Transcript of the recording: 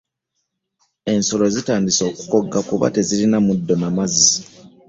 Ensolo zitandise okukogga kuba tezirina muddo na mazzi.